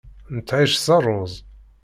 Nettεic s rruẓ.